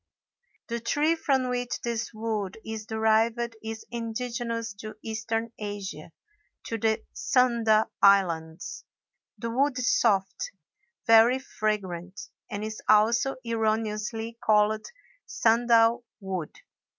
The tree from which this wood is derived is indigenous to Eastern Asia, to the Sunda Islands. The wood is soft, very fragrant, and is also erroneously called sandal wood.